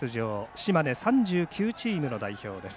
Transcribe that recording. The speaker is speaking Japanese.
島根３９チームの代表です。